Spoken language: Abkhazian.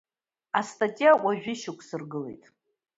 Астатиа уажәы ишьақәсыргылеит.